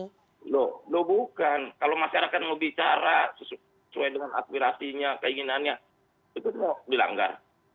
nggak nggak bukan kalau masyarakat mau bicara sesuai dengan aspirasinya keinginannya itu juga mau dilanggar